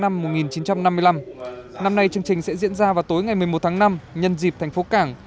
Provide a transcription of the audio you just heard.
năm nay chương trình sẽ diễn ra vào tối ngày một mươi một tháng năm nhân dịp thành phố cảng